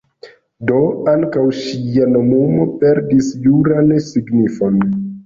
Do ankaŭ ŝia nomumo perdis juran signifon.